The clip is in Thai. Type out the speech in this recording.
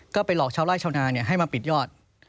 ก็ไปหลอกชาวไล่ชาวนาให้มาปิดยอด